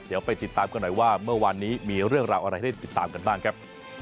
เดี๋ยวไปติดตามกันหน่อยว่าเมื่อวานนี้มีเรื่องราวอะไรให้ติดตามกันบ้างครับ